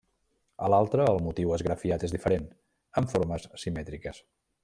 A l'altre el motiu esgrafiat és diferent, amb formes simètriques.